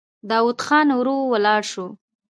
داوود خان ورو ولاړ شو.